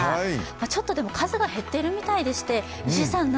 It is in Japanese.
ちょっと数が減っているみたいでして、石井さん、石井さん